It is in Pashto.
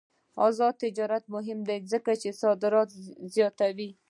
آزاد تجارت مهم دی ځکه چې صادرات زیاتوي.